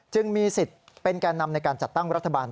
จึงมีสิทธิ์เป็นแก่นำในการจัดตั้งรัฐบาล